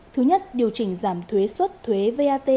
thứ nhất điều chỉnh giảm thuế suất thuế vat